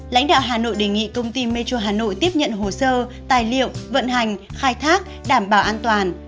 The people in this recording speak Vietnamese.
lãnh đạo hà nội đề nghị công ty metro hà nội tiếp nhận hồ sơ tài liệu vận hành khai thác đảm bảo an toàn